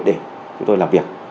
để chúng tôi làm việc